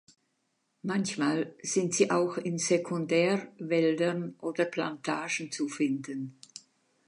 Manchmal sind sie auch in Sekundärwäldern oder Plantagen zu finden.